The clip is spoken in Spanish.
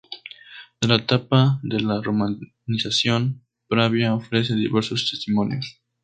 De la etapa de la romanización, Pravia ofrece diversos testimonios.